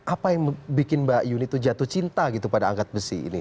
apa yang bikin mbak yuni itu jatuh cinta gitu pada angkat besi ini